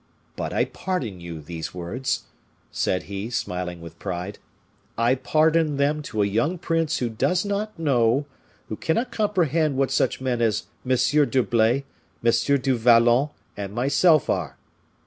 But I pardon you these words," said he, smiling with pride; "I pardon them to a young prince who does not know, who cannot comprehend what such men as M. d'Herblay, M. du Vallon, and myself are.